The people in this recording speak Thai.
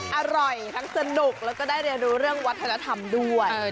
อร่อยทั้งสนุกแล้วก็ได้เรียนรู้เรื่องวัฒนธรรมด้วย